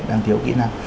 đang thiếu kỹ năng